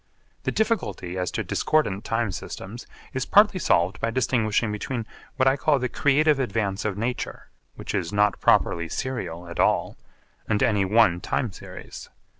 The difficulty as to discordant time systems is partly solved by distinguishing between what I call the creative advance of nature, which is not properly serial at all, and any one time series.